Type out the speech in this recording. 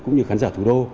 cũng như khán giả thủ đô